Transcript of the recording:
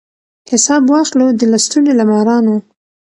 حساب واخلو د لستوڼي له مارانو